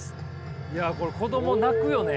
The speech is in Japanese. いやこれ子供泣くよね？